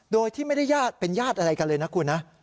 โดยที่ไม่ได้เป็นญาติอะไรกันเลยนะคุณนะ